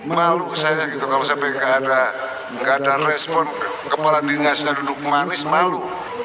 malu saya gitu kalau sampai nggak ada respon kepala dinasnya duduk manis malu